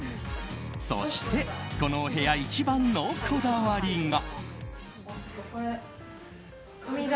そしてこのお部屋一番のこだわりが。